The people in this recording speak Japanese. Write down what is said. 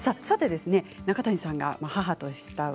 中谷さんが母として慕う